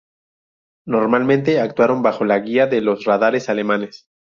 Normalmente actuaron bajo la guía de los radares alemanes.